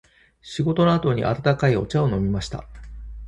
仕事の後に温かいお茶を飲みました。